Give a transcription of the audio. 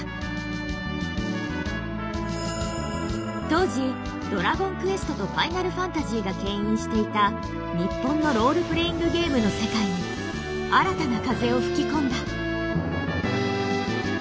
当時「ドラゴンクエスト」と「ファイナルファンタジー」がけん引していた日本のロールプレイングゲームの世界に新たな風を吹き込んだ。